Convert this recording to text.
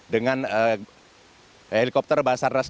dengan helikopter basarnas dauvin